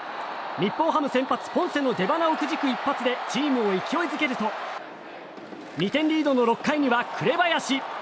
日本ハム先発、ポンセの出ばなをくじく一発でチームを勢い付けると２点リードの６回には紅林。